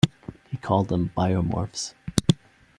He called them biomorphs.